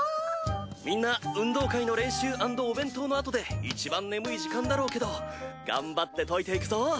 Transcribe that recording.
みんな運動会の練習アンドお弁当のあとでいちばん眠い時間だろうけど頑張って解いていくぞ！